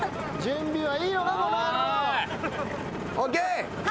ＯＫ！